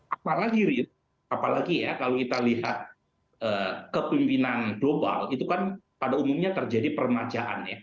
apalagi rid apalagi ya kalau kita lihat kepimpinan global itu kan pada umumnya terjadi permajaan ya